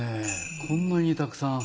こんなにたくさん。